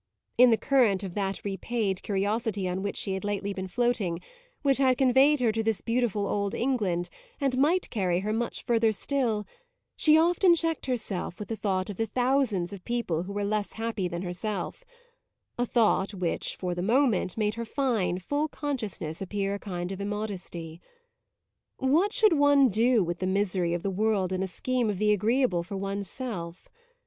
In the current of that repaid curiosity on which she had lately been floating, which had conveyed her to this beautiful old England and might carry her much further still, she often checked herself with the thought of the thousands of people who were less happy than herself a thought which for the moment made her fine, full consciousness appear a kind of immodesty. What should one do with the misery of the world in a scheme of the agreeable for one's self?